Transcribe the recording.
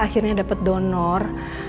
akhirnya dapet donor